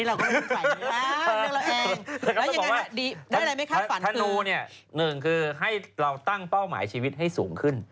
แล้วยังไงได้อะไรไม่คาดฝันคือธนูเนี่ย๑คือให้เราตั้งเป้าหมายชีวิตให้สูงขึ้น